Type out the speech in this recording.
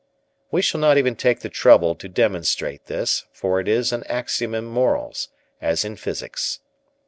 We shall not even take the trouble to demonstrate this, for it is an axiom in morals, as in physics.